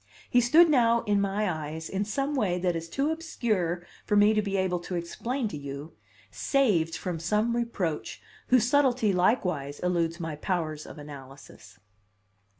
He stood now in my eyes, in some way that is too obscure for me to be able to explain to you, saved from some reproach whose subtlety likewise eludes my powers of analysis.